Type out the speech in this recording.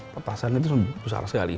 petasan itu susah sekali